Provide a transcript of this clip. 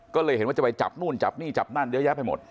ก็เลยเห็นว่าจะไปจับนู่นจับนี่จับนั่นเยอะแยะไปหมด